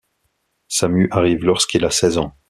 Sa mue arrive lorsqu'il a seize ans.